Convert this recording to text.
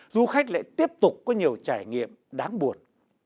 du khách lại tiếp tục có nhiều trải nghiệm đáng buồn